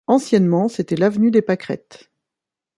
Anciennement c'était l'avenue des Pâquerettes.